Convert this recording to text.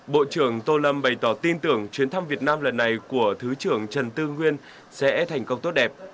bộ trưởng tô lâm bày tỏ tin tưởng chuyến thăm việt nam lần này của thứ trưởng trần tư nguyên sẽ thành công tốt đẹp